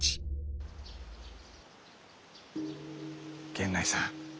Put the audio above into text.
源内さん。